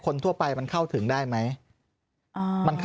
ทั่วไปมันเข้าถึงได้ไหม